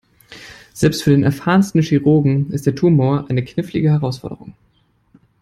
Selbst für den erfahrensten Chirurgen ist der Tumor eine knifflige Herausforderung.